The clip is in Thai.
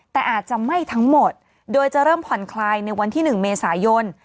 แต่อาจจะไหม้ทั้งหมดโดยจะเริ่มผ่อนคลายในวันที่๑เมษายน